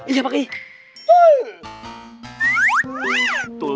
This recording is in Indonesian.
iya pak kiai